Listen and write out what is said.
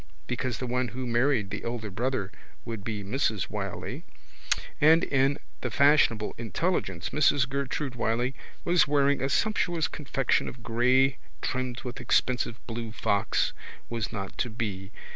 (because the one who married the elder brother would be Mrs Wylie) and in the fashionable intelligence Mrs Gertrude Wylie was wearing a sumptuous confection of grey trimmed with expensive blue fox was not to be.